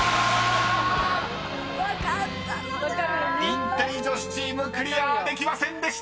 ［インテリ女子チームクリアできませんでした］